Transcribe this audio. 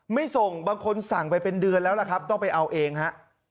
ไม่ส่งบางคนสั่งไปเป็นเดือนแล้วล่ะครับต้องไปเอาเองฮะ